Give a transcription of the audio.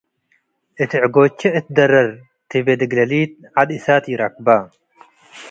“እት ዕጎቼ እትደረር” ትቤ ድግለሊት ዐድ-እሳት ኢረክበ።